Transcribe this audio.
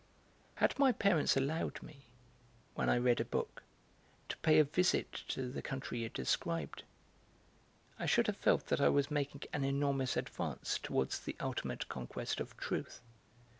Had my parents allowed me, when I read a book, to pay a visit to the country it described, I should have felt that I was making an enormous advance towards the ultimate conquest of truth.